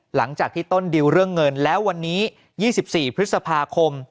หลังจากที่ต้นดิวเรื่องเงินแล้ววันนี้๒๔พฤษภาคม